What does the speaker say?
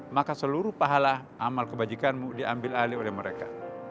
maka seluruh pahala amal kebajikanmu diambil alih oleh mereka